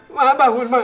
emak bangun emak